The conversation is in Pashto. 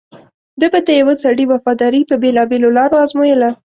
ده به د یوه سړي وفاداري په بېلابېلو لارو ازمویله.